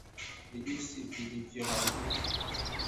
Vijusi vilivyoharibika